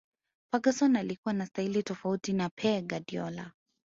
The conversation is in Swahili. ferguson alikuwa na staili tofauti na Pe Guardiola